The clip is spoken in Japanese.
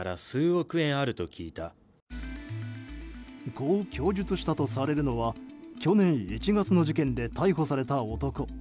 こう供述したとされるのは去年１月の事件で逮捕された男。